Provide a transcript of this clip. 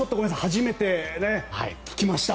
初めて聞きました。